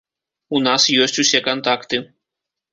У нас ёсць усе кантакты.